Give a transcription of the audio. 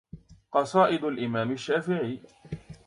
قصائد الإمام الشافعي